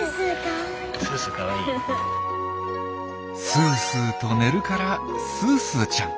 すーすーと寝るから「すーすーちゃん」。